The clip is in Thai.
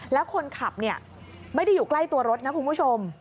แล้วคนขับไม่ได้อยู่ใกล้ตัวรถนะคุณผู้ชม